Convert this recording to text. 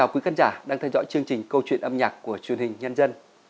quý khán giả đang theo dõi chương trình câu chuyện âm nhạc của truyền hình nhân dân